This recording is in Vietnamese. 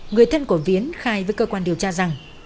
người thân của viến khai với cơ quan điều tra rằng